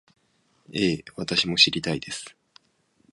ええ、私も知りたいです